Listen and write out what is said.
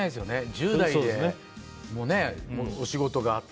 １０代で、お仕事があって。